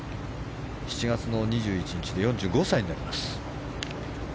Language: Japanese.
７月２１日で４５歳になります。